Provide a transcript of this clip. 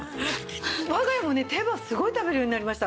我が家もね手羽すごい食べるようになりました。